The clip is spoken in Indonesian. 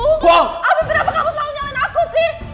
afif kenapa kamu selalu nyalain aku sih